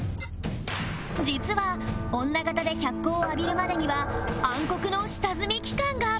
実は女形で脚光を浴びるまでには暗黒の下積み期間が